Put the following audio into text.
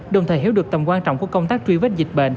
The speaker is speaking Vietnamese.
đồng thời hiểu được tầm quan trọng của công tác truy vết dịch bệnh